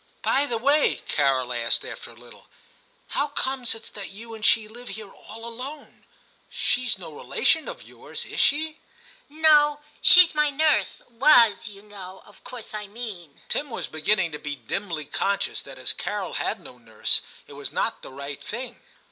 ' By the way/ Carol asked, after a little, ' how comes it that you and she live here all alone ? She's no relation of yours, is she }'* No, she's my nurse, — was, you know, of course I mean.' Tim was beginning to be dimly conscious that as Carol had no nurse, it was not the right thing.